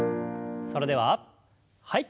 それでははい。